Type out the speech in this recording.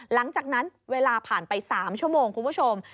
หลังจากนั้นเวลาผ่านไป๓ชั่วโมงคุณผู้ชม